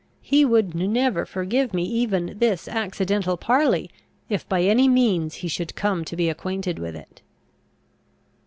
He would never forgive me even this accidental parley, if by any means he should come to be acquainted with it."